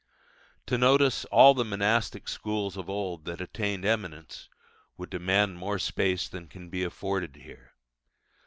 To notice all the monastic schools of old that attained eminence would demand more space than can be afforded here.